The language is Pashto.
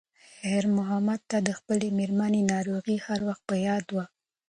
خیر محمد ته د خپلې مېرمنې ناروغي هر وخت په یاد وه.